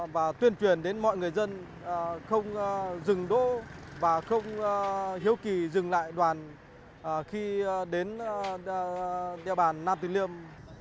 và tuyên truyền đến mọi người dân không dừng đô và không hiếu kỳ dừng lại đoàn khi đến đeo bàn nam từ liêm